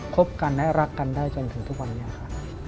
บกันและรักกันได้จนถึงทุกวันนี้ค่ะ